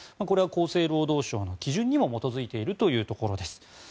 これは厚生労働省の基準にも基づいているというところです。